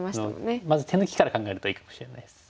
まず手抜きから考えるといいかもしれないです。